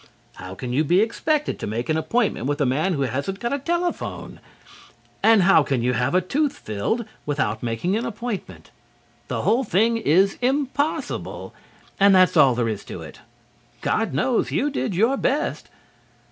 How can you be expected to make an appointment with a man who hasn't got a telephone? And how can you have a tooth filled without making an appointment? The whole thing is impossible, and that's all there is to it. God knows you did your best.